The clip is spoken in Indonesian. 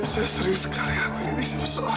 saya sering sekali aku ini di sebesar